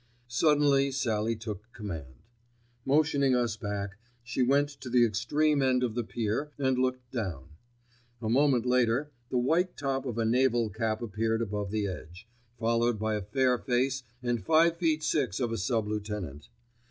Suddenly Sallie took command. Motioning us back, she went to the extreme end of the pier and looked down. A moment later, the white top of a naval cap appeared above the edge, followed by a fair face and five feet six of a sub lieutenant.